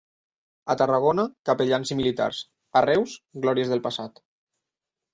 A Tarragona, capellans i militars; a Reus, glòries del passat.